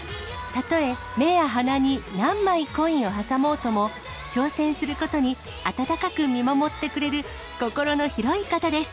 たとえ目や鼻に何枚コインを挟もうとも、挑戦することに温かく見守ってくれる心の広い方です。